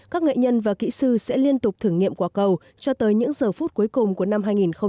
các nghệ nhân và kỹ sư sẽ liên tục thử nghiệm quả cầu cho tới những giờ phút cuối cùng của năm hai nghìn hai mươi